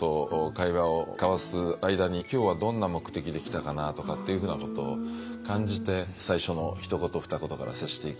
会話を交わす間に今日はどんな目的で来たかなとかっていうふうなことを感じて最初のひと言ふた言から接していくっていうことなんですね。